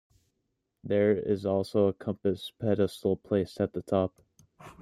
There is also a compass pedestal placed at the top.